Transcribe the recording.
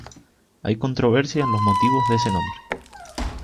Hay controversia en los motivos de ese nombre.